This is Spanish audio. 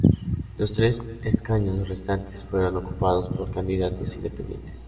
Los tres escaños restantes fueron ocupados por candidatos independientes.